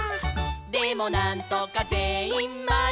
「でもなんとかぜんいんまにあって」